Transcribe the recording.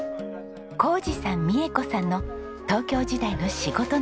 宏二さん美恵子さんの東京時代の仕事仲間です。